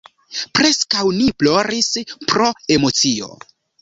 Preskaŭ ni ploris pro emocio.